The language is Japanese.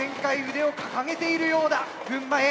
腕を掲げているようだ群馬Ａ。